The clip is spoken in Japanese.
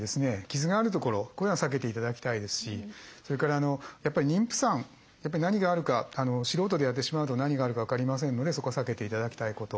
傷があるところこれは避けて頂きたいですしそれからやっぱり妊婦さん何があるか素人でやってしまうと何があるか分かりませんのでそこは避けて頂きたいこと。